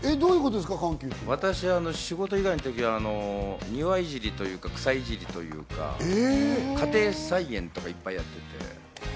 私、仕事以外のときは庭いじりというか、草いじりというか、家庭菜園とかやっていて。